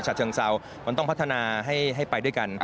เชิงเซามันต้องพัฒนาให้ไปด้วยกัน